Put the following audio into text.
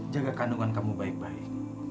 jaga kandungan kamu baik baik